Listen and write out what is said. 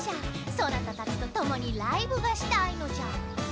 そなたたちと共にライブがしたいのじゃ。